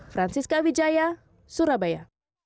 francisca wijaya surabaya